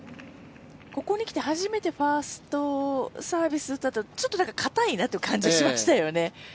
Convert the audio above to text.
ここにきて初めてファーストサービスを打ったときにちょっと硬いなという感じがしましたよね。